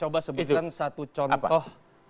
coba sebutkan satu contoh